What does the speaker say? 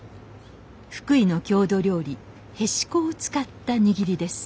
福井の郷土料理へしこを使った握りです